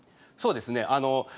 そうですね。